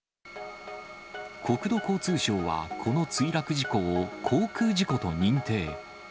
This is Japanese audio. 国土交通省は、この墜落事故を航空事故と認定。